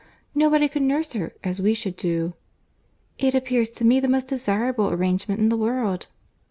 Nobody could nurse her, as we should do." "It appears to me the most desirable arrangement in the world."